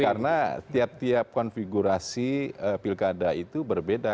karena tiap tiap konfigurasi pilkada itu berbeda